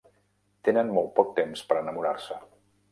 Tenen molt poc temps per enamorar-se.